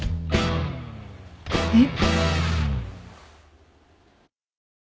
えっ？